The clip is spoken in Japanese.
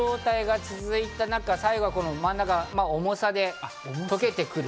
その状態が続いた中、最後は真ん中、重さで溶けてくる。